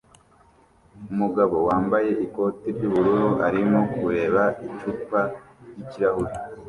Umugabo wambaye ikoti ry'ubururu arimo kureba icupa ry'ikirahure